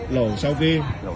lẩu sau khi